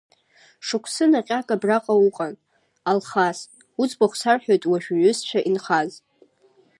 Шықәсы наҟьак абраҟа уҟан, Алхас, уӡбахә сарҳәоит уажә уҩызцәа инхаз.